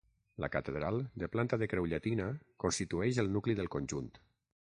La catedral, de planta de creu llatina, constitueix el nucli del conjunt.